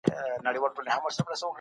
شپه ډېره سړه او تياره وه.